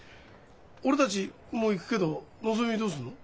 俺たちもう行くけどのぞみどうすんの？